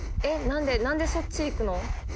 何でそっち行くの？